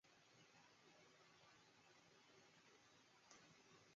现代测试技术也越来越多地应用于混凝土材料科学的研究。